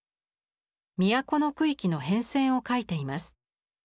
都の区域の変遷を描いています。